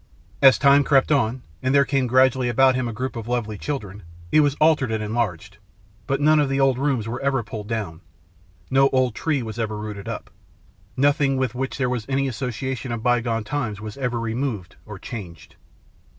As time crept on, and there came gradually about him a group of lovely children, it was altered and enlarged; but none of the old rooms were ever pulled down, no old tree was ever rooted up, nothing with which there was any association of bygone times was ever removed or changed.